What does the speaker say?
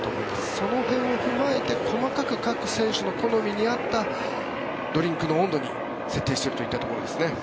その辺を踏まえて細かく各選手の好みに合ったドリンクの温度に設定しているということです。